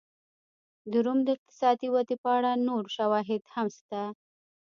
د روم د اقتصادي ودې په اړه نور شواهد هم شته